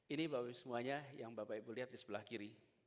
ini semuanya yang bapak ibu lihat di sebelah kiri